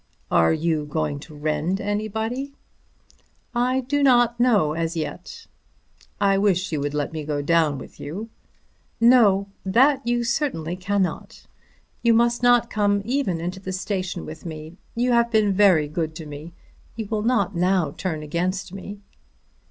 "Are you going to rend anybody?" "I do not know as yet." "I wish you would let me go down with you." "No; that you certainly cannot. You must not come even into the station with me. You have been very good to me. You will not now turn against me."